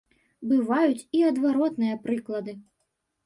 Бываюць і адваротныя прыклады.